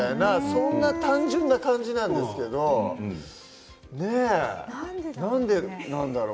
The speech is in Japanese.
そんな単純な感じなんですけどなんでなんだろう